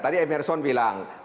tadi emerson bilang